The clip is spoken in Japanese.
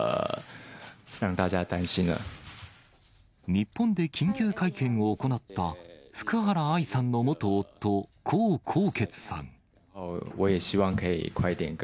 日本で緊急会見を行った、福原愛さんの元夫、江宏傑さん。